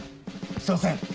すいません！